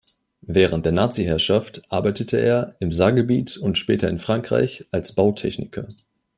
Während der Naziherrschaft arbeitete er im Saargebiet und später in Frankreich als Bautechniker.